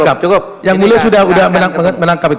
kira yang mulia sudah menangkap